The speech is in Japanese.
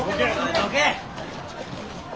どけ。